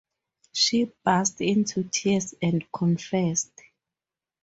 She burst into tears and confessed.